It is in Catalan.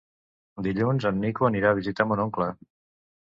Dilluns en Nico anirà a visitar mon oncle.